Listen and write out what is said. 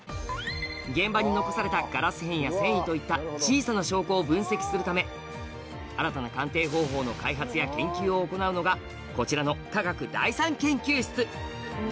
現場に残されたガラス片や繊維といった小さな証拠を分析するため新たな鑑定方法の開発や研究を行うのがこちらの化学第三研究室